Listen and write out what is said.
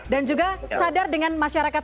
dan juga sadar dengan masyarakat